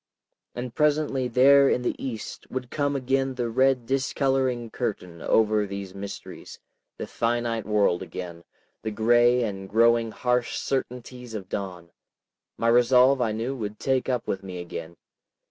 And presently, there in the east, would come again the red discoloring curtain over these mysteries, the finite world again, the gray and growing harsh certainties of dawn. My resolve I knew would take up with me again.